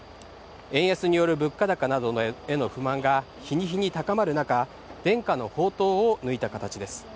円安による物価高などへの不満が日に日に高まる中、伝家の宝刀を抜いた形です。